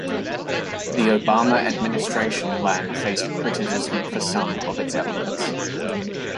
The Obama administration plan faced criticism for some of its elements.